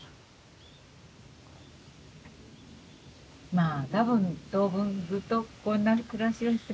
まあ多分当分ずっとこんな暮らしをしてますから。